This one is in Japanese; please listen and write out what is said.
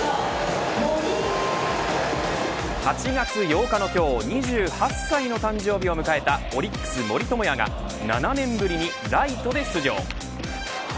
８月８日の今日２８歳の誕生日を迎えたオリックス森友哉が７年ぶりにライトで出場。